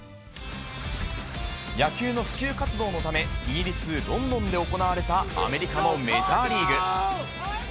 野球の普及活動のため、イギリス・ロンドンで行われたアメリカのメジャーリーグ。